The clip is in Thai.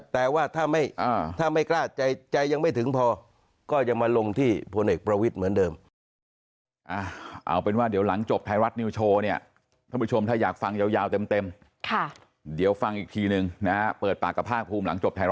แต่ว่าถ้าไม่กล้าใจยังไม่ถึงพอก็ยังมาลงที่พลเอกประวิทย์เหมือนเดิม